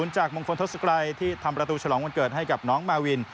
จากมงคลทศกรัยที่ทำประตูฉลองวันเกิดให้กับน้องมาวิน